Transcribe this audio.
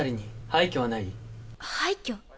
廃虚？